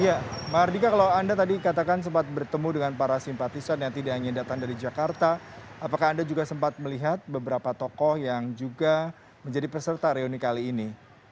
ya mardika kalau anda tadi katakan sempat bertemu dengan para simpatisan yang tidak hanya datang dari jakarta apakah anda juga sempat melihat beberapa tokoh yang juga menjadi peserta reuni kali ini